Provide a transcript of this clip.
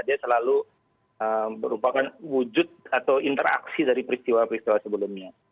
dia selalu merupakan wujud atau interaksi dari peristiwa peristiwa sebelumnya